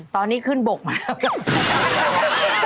ตอนนี้ขึ้นบกมา